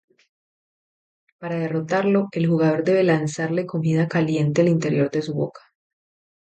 Para derrotarlo, el jugador debe lanzarle comida caliente al interior de su boca.